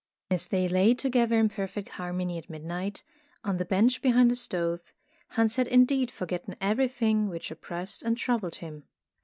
And as they lay together in perfect har mony at midnight, on the bench behind the stove, Hans had indeed forgotten everything which oppressed and troubled him.